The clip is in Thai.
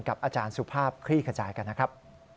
อาจารย์สุภาพคลี่ขจายกันนะครับ